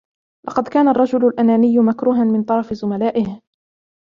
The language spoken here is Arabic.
لقد كان الرجل الأناني مكروها من طرف زملائه.